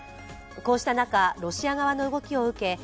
こうした中、ロシア側の動きを受け